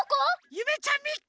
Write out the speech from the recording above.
ゆめちゃんみっけ！